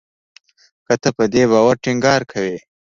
که ته په دې باور ټینګار کوې